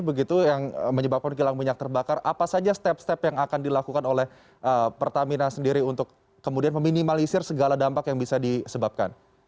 begitu yang menyebabkan kilang minyak terbakar apa saja step step yang akan dilakukan oleh pertamina sendiri untuk kemudian meminimalisir segala dampak yang bisa disebabkan